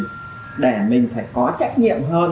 dây dần đến hệ lụy giống như trường hợp của nghệ sĩ ưu tú hoài linh